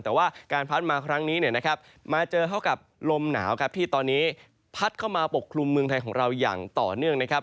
แต่ว่าการพัดมาครั้งนี้เนี่ยนะครับมาเจอเข้ากับลมหนาวครับที่ตอนนี้พัดเข้ามาปกคลุมเมืองไทยของเราอย่างต่อเนื่องนะครับ